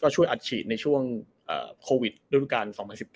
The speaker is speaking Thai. ก็ช่วยอัดฉีกในช่วงโควิดด้วยกัน๒๐๑๙๒๐๒๐